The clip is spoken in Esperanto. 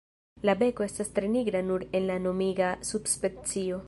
La beko estas tre nigra nur en la nomiga subspecio.